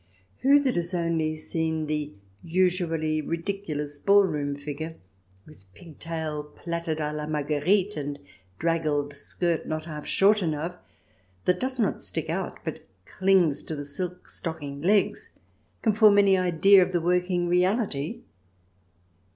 Who that has only seen the usually ridiculous ballroom figure, with pigtail plaited a la Marguerite, and draggled skirt not half short enough, that does not stick out, but clings to the silk stockinged legs, can form any idea of the working reality